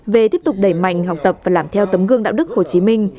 về tiếp tục đẩy mạnh học tập và làm theo tấm gương đạo đức hồ chí minh